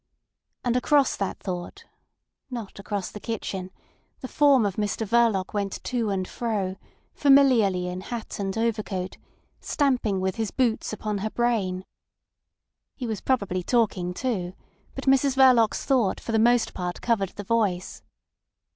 And across that thought (not across the kitchen) the form of Mr Verloc went to and fro, familiarly in hat and overcoat, stamping with his boots upon her brain. He was probably talking too; but Mrs Verloc's thought for the most part covered the voice.